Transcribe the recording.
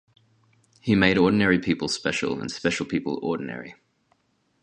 He made ordinary people special and special people ordinary.